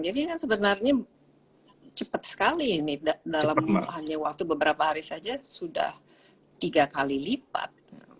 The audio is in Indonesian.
kan sebenarnya cepat sekali ini dalam hanya waktu beberapa hari saja sudah tiga kali lipat